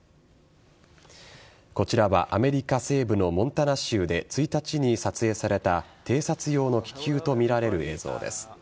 こちらはアメリカ西部のモンタナ州で１日に撮影された偵察用の気球とみられる映像です。